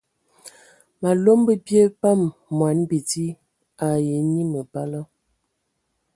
Malom bə bie bam mɔni bidi ai enyi məbala.